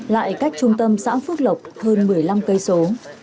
lại cách trung tâm xã phước lộc hơn một mươi năm cây số